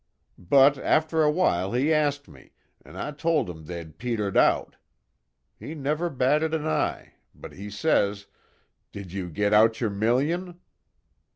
But, after a while he asked me, an' I told him they'd petered out. He never batted an eye, but he says, 'Did you get out your million?